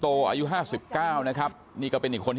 เพราะไม่เคยถามลูกสาวนะว่าไปทำธุรกิจแบบไหนอะไรยังไง